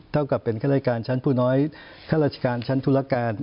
เท่ากับเป็นข้าราชการชั้นผู้น้อยข้าราชการชั้นธุรการ